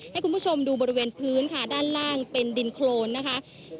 ให้คุณผู้ชมดูบริเวณพื้นค่ะด้านล่างเป็นดินโครนนะคะ